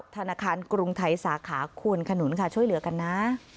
ธนาคารกรุงไทยสาขาควนขนุนค่ะช่วยเหลือกันนะ